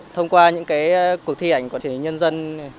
thông qua những cuộc thi ảnh của truyền hình nhân dân